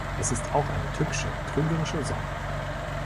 Es ist auch eine tückische, trügerische Sonne.